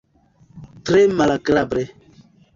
Tre malagrable.